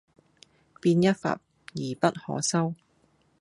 便一發而不可收，